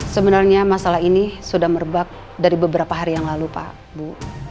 sebenarnya masalah ini sudah merebak dari beberapa hari yang lalu pak bu